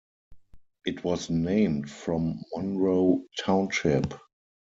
It was named from Monroe Township.